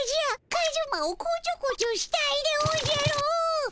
カズマをこちょこちょしたいでおじゃる。